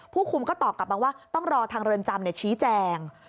ผู้คุมก็ตอบกลับมาว่าต้องรอทางเรือนจำชี้แจง